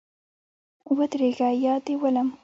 ودرېږه یا دي ولم